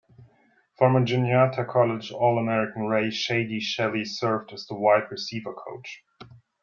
Former Juniata College All-American Ray "Shady" Shelley served as the wide receiver coach.